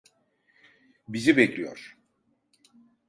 Bizi bekliyor.